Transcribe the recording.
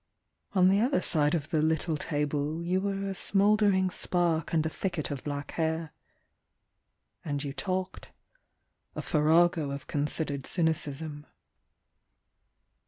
On the other side of the little table you were A smouldering spark and a thicket of black hair. And you talked — a farrago of considered cynicism.